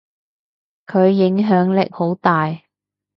佢影響力好大。